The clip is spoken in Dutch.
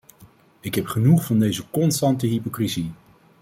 Ik heb genoeg van deze constante hypocrisie.